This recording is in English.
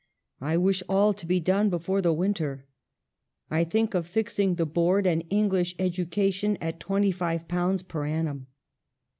I wish all to be done before the winter. I think of fixing the board and English educa tion at ^25 per annum."